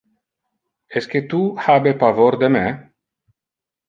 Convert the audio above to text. Esque tu habe pavor de me?